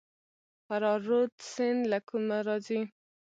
فراه رود سیند له کومه راځي؟